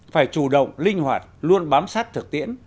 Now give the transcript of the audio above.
phải chủ động linh hoạt luôn bám sát thực tiễn